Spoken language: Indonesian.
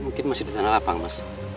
mungkin masih di tanah lapang mas